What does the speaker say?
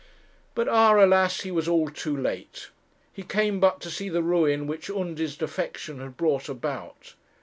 But ah! alas, he was all too late. He came but to see the ruin which Undy's defection had brought about.